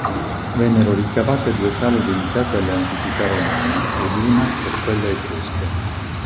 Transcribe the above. Vennero ricavate due sale dedicate alle antichità romane ed una per quelle etrusche.